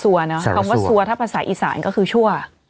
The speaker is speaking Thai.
สารวัตรสัคำว่าสัถ้าภาษาอีกษานก็คือชัวร์